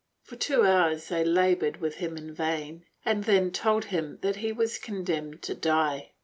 For two hours they labored with him in vain and then told him that he was condemned to die.